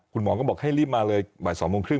คุณหมอก็บอกให้รีบมาเลยบ่าย๒โมงครึ